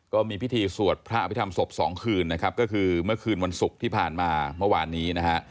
ก็มีพิธีสวดพระอภิษฐรรมศพ๒คืนนะครับก็คือเมื่อคืนวันศุกร์ที่ผ่านมาเมื่อวานนี้นะฮะ